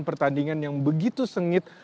pertandingan yang begitu sengit